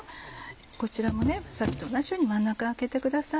こちらもさっきと同じように真ん中空けてください。